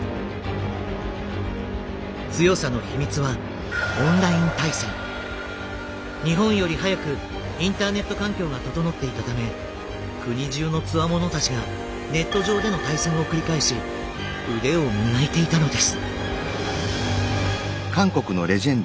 強さの秘密は日本より早くインターネット環境が整っていたため国中のつわものたちがネット上での対戦を繰り返し腕を磨いていたのです。